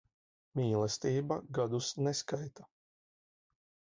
Mīlestība gadus neskaita.